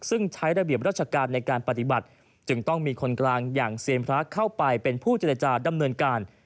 ซึ่งใช้ระเบียบราชการในการปฏิบัติจึงต้องมีคนกลางอย่างเซียนพระเข้าไปเป็นผู้เจรจาดำเนินการ